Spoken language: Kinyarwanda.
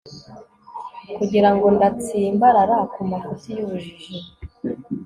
kugira ngo ndatsimbarara ku mafuti y'ubujiji